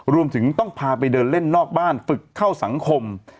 รวมถึงต้องพาไปเดินเล่นนอกบ้านฝึกเข้าสังคม